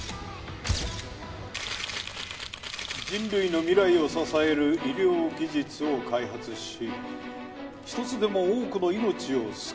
人類の未来を支える医療技術を開発し１つでも多くの命を救う。